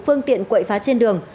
phương tiện quậy phá trên đường